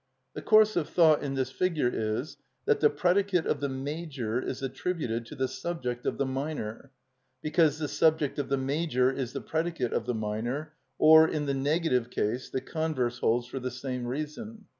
The course of thought in this figure is, that the predicate of the major is attributed to the subject of the minor, because the subject of the major is the predicate of the minor, or, in the negative case, the converse holds for the same reason.